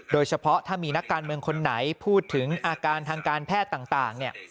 โดยเฉพาะถ้ามีนักการเมืองคนไหนพูดถึงอาการทางการแพทย์ต่างเนี่ย